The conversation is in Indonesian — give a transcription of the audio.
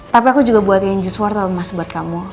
tapi aku juga buatin jus wortel mas buat kamu